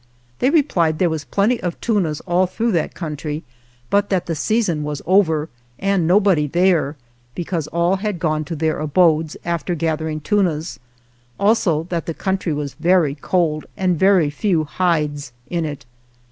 They replied there were plenty of tunas all through that country, but that the season was over and nobody there, because all had gone to their abodes after gathering tunas; also that the country was very cold and very few hides in it.